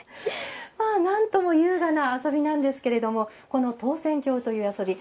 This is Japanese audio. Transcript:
なんとも優雅な遊びなんですけれどもこの投扇興という遊び